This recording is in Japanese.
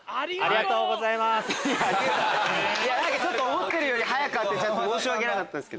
思ってるより早く当てちゃって申し訳なかったです。